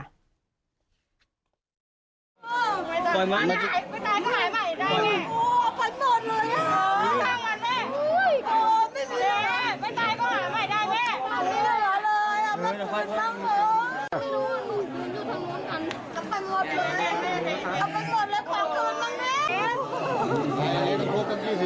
ไม่ตายก็หายใหม่ได้ไง